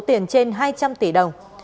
tiền trên hai trăm linh tỷ đồng